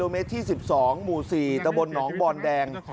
เมตรที่๑๒หมู่๔ตะบนหนองบอนแดง